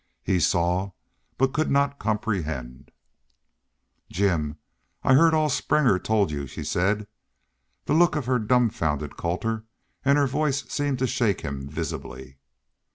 He saw but could not comprehend. "Jim I heard all Springer told y'u," she said. The look of her dumfounded Colter and her voice seemed to shake him visibly.